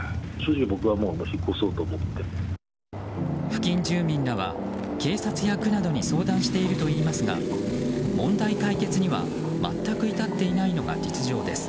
付近住民らは警察や区などに相談しているといいますが問題解決には全く至っていないのが実情です。